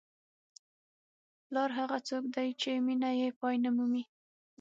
پلار هغه څوک دی چې مینه یې پای نه مومي.